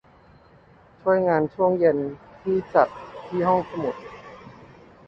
ส่วนงานช่วงเย็นที่จัดที่ห้องสมุด